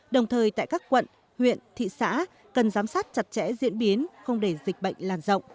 đồng thời tại các quận huyện thị xã cần giám sát chặt chẽ diễn biến không để dịch bệnh làn rộng